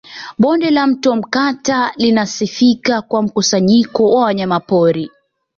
Bonde la Mto Mkata linasifika kwa mkusanyiko wa wanyamapori